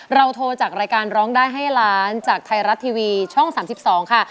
เราโทรจากรายการร้องได้ให้ล้านจากไทยรัฐทีวีช่อง๓๒ค่ะ